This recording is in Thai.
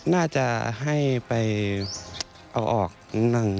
น่าจะให้ไปเอาออกนั่ง